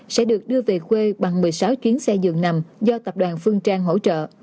sẽ được đưa về khuê bằng một mươi sáu chuyến xe dường nằm do tập đoàn phương trang hỗ trợ